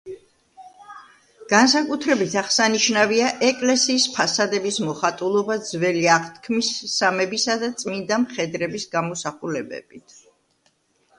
განსაკუთრებით აღსანიშნავია ეკლესიის ფასადების მოხატულობა ძველი აღთქმის, სამებისა და წმინდა მხედრების გამოსახულებებით.